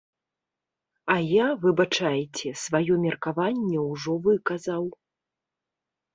А я, выбачайце, сваё меркаванне ўжо выказаў.